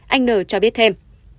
anh ntn cho biết thêm